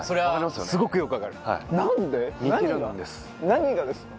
何がですか？